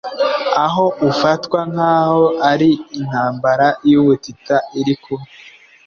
aho ufatwa nk’aho ari intambara y’ubutita iri kuba